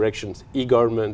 có nhiều nhà hàng